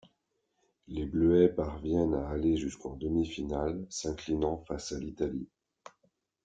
Les Bleuets parviennent à aller jusqu’en demi-finale, s'inclinant face à l’Italie.